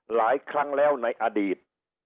หลายครั้งแล้วในอดีต